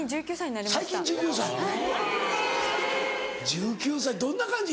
１９歳どんな感じ？